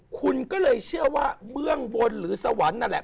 คุณก็เลยเชื่อว่าเบื้องบนหรือสวรรค์นั่นแหละ